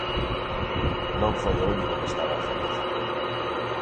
Non foi o único que estaba feliz.